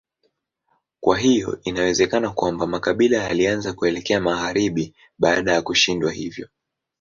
Kwa hiyo inawezekana kwamba makabila yalianza kuelekea magharibi baada ya kushindwa hivyo.